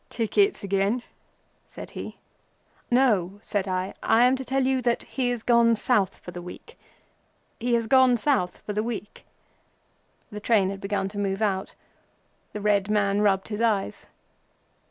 "Tickets again?" said he. "No," said I. "I am to tell you that he is gone South for the week. He is gone South for the week!" The train had begun to move out. The red man rubbed his eyes.